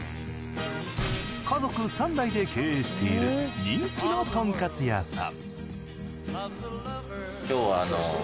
家族３代で経営している人気のとんかつ屋さん。